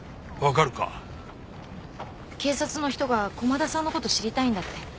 警察の人が駒田さんの事知りたいんだって。